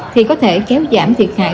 thì có thể kéo giảm thiệt hại